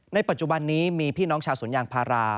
ปัจจุบันนี้มีพี่น้องชาวสวนยางพารา